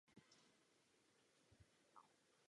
Jeho povodí zasahuje i na území Česka díky Hraničnímu potoku.